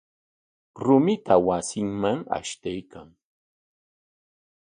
Rumita wasinman ashtaykan.